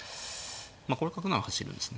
まあこれ角なら走るんですね。